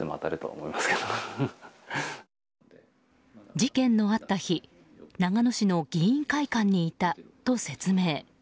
事件のあった日長野市の議員会館にいたと説明。